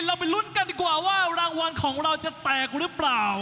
เราไปลุ้นกันดีกว่าว่ารางวัลของเราจะแตกหรือเปล่า